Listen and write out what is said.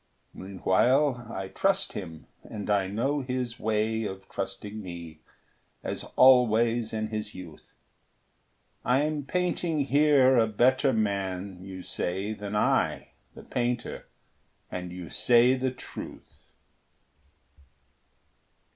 Meanwhile, I trust him; and I know his way Of trusting me, as always in his youth. I'm painting here a better man, you say, Than I, the painter; and you say the truth.